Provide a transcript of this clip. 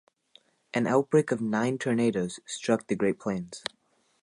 An outbreak of nine tornadoes struck the Great Plains.